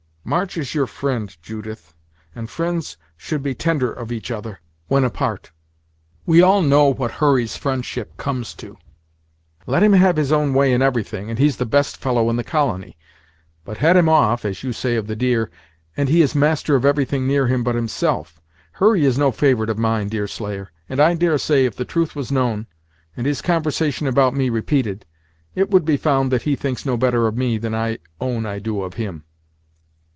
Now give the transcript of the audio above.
"March is your fri'nd, Judith; and fri'nds should be tender of each other, when apart." "We all know what Hurry's friendship comes to! Let him have his own way in everything, and he's the best fellow in the colony; but 'head him off,' as you say of the deer, and he is master of everything near him but himself. Hurry is no favorite of mine, Deerslayer; and I dare say, if the truth was known, and his conversation about me repeated, it would be found that he thinks no better of me than I own I do of him."